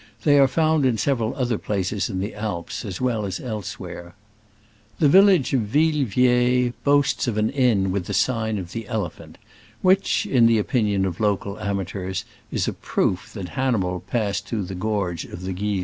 They are found in several other places in the Alps, as well as elsewhere. The village of Ville Vieille boasts of an inn with the sign of the Ele phant, which, in the opinion of local amateurs, is a proof that Hannibal passed through the gorge of the Guil.